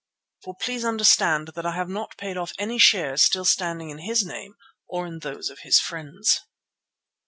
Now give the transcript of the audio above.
For please understand that I have not paid off any shares still standing in his name or in those of his friends."